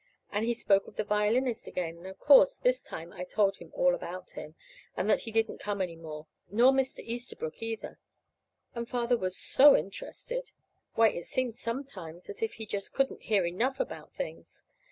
And he spoke of the violinist again, and, of course, this time I told him all about him, and that he didn't come any more, nor Mr. Easterbrook, either; and Father was so interested! Why, it seemed sometimes as if he just couldn't hear enough about things.